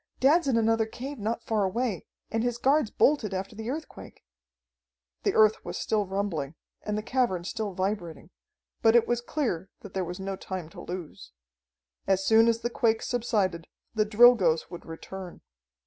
Dad's in another cave not far away, and his guards bolted after the earthquake." The earth was still rumbling, and the cavern still vibrating, but it was clear that there was no time to lose. As soon as the quake subsided the Drilgoes would return.